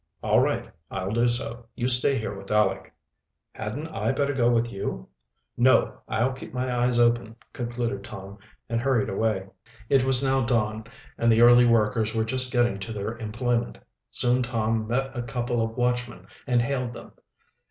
"All right, I'll do so. You stay here with Aleck." "Hadn't I better go with you?" "No, I'll keep my eyes open," concluded Tom, and hurried away. It was now dawn, and the early workers were just getting to their employment. Soon Tom met a couple of watchmen and hailed them.